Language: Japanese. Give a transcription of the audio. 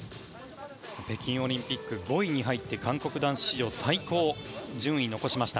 北京オリンピック５位に入って韓国男子史上最高順位を記録しました。